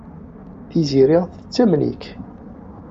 Tiziri tettamen-ik.